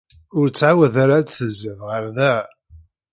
Ur ttɛawad ara ad d-tezziḍ ɣer da!